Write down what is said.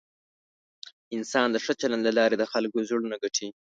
انسان د ښه چلند له لارې د خلکو زړونه ګټي.